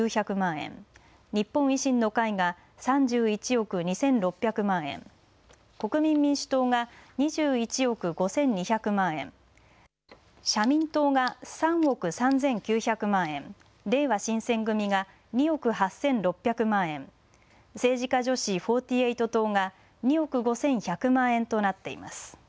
円、日本維新の会が３１億２６００万円、国民民主党が２１億５２００万円、社民党が３億３９００万円、れいわ新選組が２億８６００万円、政治家女子４８党が２億５１００万円となっています。